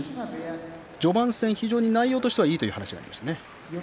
序盤戦、内容としてはいいという話がありましたね。